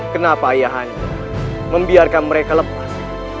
kenapa ayah anda membiarkan mereka lepas